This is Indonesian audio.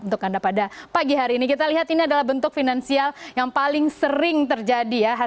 untuk anda pada pagi hari ini kita lihat ini adalah bentuk finansial yang paling sering terjadi ya